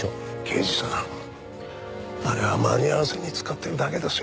刑事さんあれは間に合わせに使ってるだけですよ。